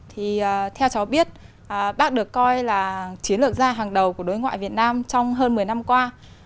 thì theo cháu biết bác được coi là chiến lược gia hàng đầu của đối ngoại việt nam trong hơn một mươi năm qua